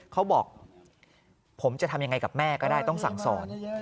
เขาบอกผมจะทำยังไงกับแม่ก็ได้ต้องสั่งสอน